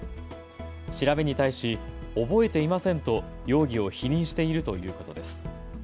調べに対し、覚えていませんと容疑を否認しているということです。